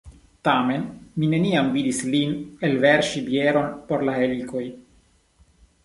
Tamen mi neniam vidis lin elverŝi bieron por la helikoj.